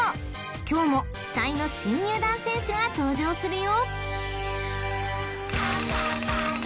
今日も期待の新入団選手が登場するよ］